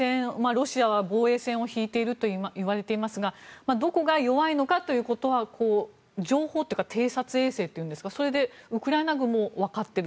ロシアは防衛線を引いているといわれていますがどこが弱いのかということは情報というか偵察衛星というんですかそれでウクライナ軍もわかっている。